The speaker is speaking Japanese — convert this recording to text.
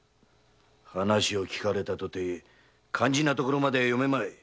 話を聞かれたとて肝心のところまでは読めまい。